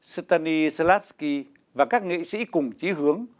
stanislaski và các nghệ sĩ cùng chí hướng